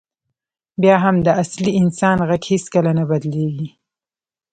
بیا هم د اصلي انسان غږ هېڅکله نه بدلېږي.